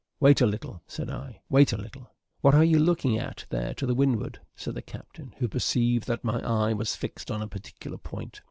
"Wait a little," said I, "wait a little." "What are you looking at there to windward?" said the captain, who perceived that my eye was fixed on a particular point.